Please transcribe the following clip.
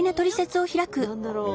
何だろう？